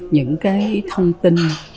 những cái thông tin những cái kế hoạch phù hợp